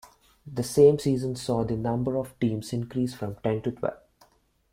The same season saw the number of teams increase from ten to twelve.